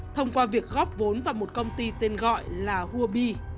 thông qua việc góp vốn vào một công ty tên gọi là huabi